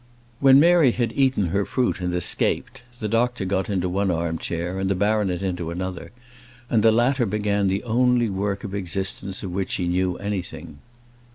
When Mary had eaten her fruit and escaped, the doctor got into one arm chair and the baronet into another, and the latter began the only work of existence of which he knew anything.